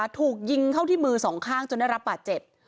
ถูกยิงเข้าที่มือสองข้างจนได้รับบาดเจ็บ